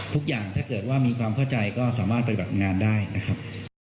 ทุกอย่างถ้าเกิดว่ามีความเข้าใจก็สามารถปฏิบัติงานได้นะครับ